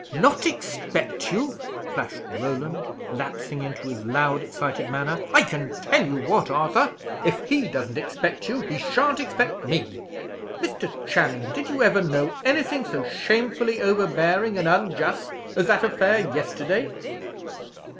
"Not expect you!" flashed Roland, lapsing into his loud, excited manner. "I can tell you what, Arthur: if he doesn't expect you, he shan't expect me. Mr. Channing, did you ever know anything so shamefully overbearing and unjust as that affair yesterday?"